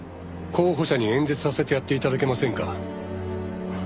候補者に演説させてやって頂けませんか？